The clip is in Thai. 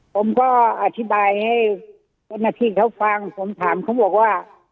ผมก็อธิบายให้เจ้าหน้าที่เขาฟังผมถามเขาบอกว่า